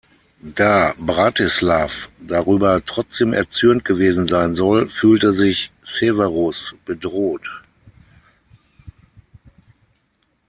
Da Břetislav darüber trotzdem erzürnt gewesen sein soll, fühlte sich Severus bedroht.